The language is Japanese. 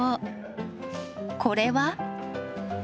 これは？